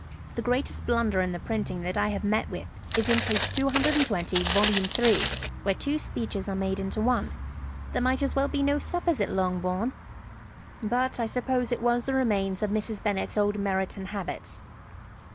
. The greatest blunder in the printing that I have met with is in page 220, v. 3, where two speeches are made into one. There might as well be no suppers at Longbourn; but I suppose it was the remains of Mrs. Bennett's old Meryton habits.'